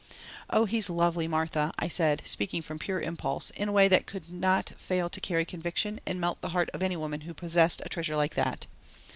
"Oh, he's lovely, Martha," I said, speaking from pure impulse in a way that could not fail to carry conviction and melt the heart of any woman who possessed a treasure like that.